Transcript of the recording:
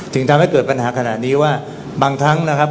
ถึงทำให้เกิดปัญหาขนาดนี้ว่าบางครั้งนะครับ